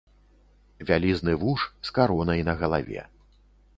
Вялізны вуж з каронай на галаве.